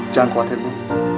jangan khawatir bu